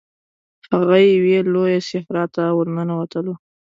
هغه یوې لويي صحرا ته ورننوتلو.